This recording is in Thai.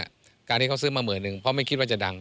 การที่เขาซื้อมาหมื่นหนึ่งเพราะไม่คิดว่าจะดัง